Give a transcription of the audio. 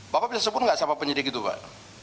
bapak bisa sebut gak siapa penyidik itu pak